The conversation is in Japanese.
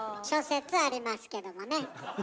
諸説ありますけどもね。